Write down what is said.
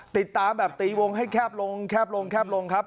ติดตามแบบตีวงให้แคบลงแคบลงแคบลงครับ